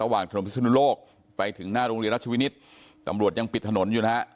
ระหว่างถนนสนุนโลกไปถึงนาดูงรีรัชวินิตตำรวจยังปิดถนนนะฮะ